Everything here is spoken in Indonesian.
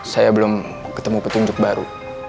saya belum ketemu petunjuk baru